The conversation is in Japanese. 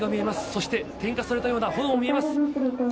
そして点火されたような炎も見えます。